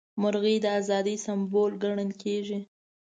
مرغۍ د ازادۍ سمبول ګڼل کیږي.